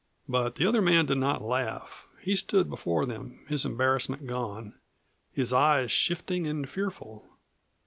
But the other man did not laugh. He stood before them, his embarrassment gone, his eyes shifting and fearful.